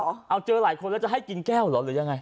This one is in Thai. เอาเจอหลายคนแล้วจะให้กินแก้วเหรอหรือยังไง